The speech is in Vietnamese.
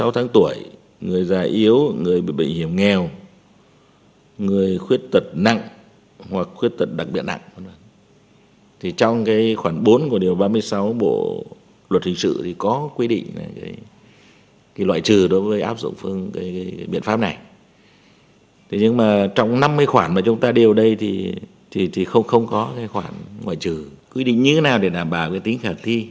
thì không có cái khoản ngoại trừ quy định như thế nào để đảm bảo cái tính khả thi